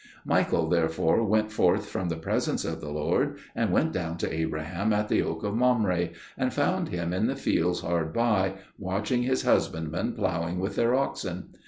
Michael therefore went forth from the presence of the Lord and went down to Abraham at the oak of Mamre, and found him in the fields hard by, watching his husbandmen ploughing with their oxen.